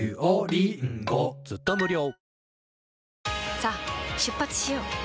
さあ出発しよう。